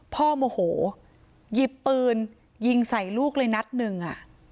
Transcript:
โมโหหยิบปืนยิงใส่ลูกเลยนัดหนึ่ง